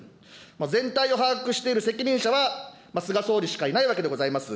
全体を把握している責任者は菅総理しかいないわけでございます。